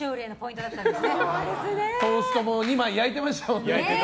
トーストも２枚焼いていましたもんね。